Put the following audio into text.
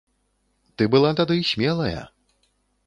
Ты была тады смелая.